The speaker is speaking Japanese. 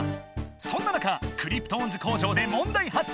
そんな中クリプトオンズ工場でもんだい発生！